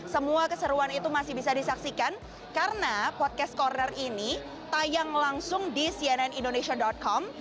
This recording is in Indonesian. semua keseruan itu masih bisa disaksikan karena podcast corner ini tayang langsung di cnnindonesia com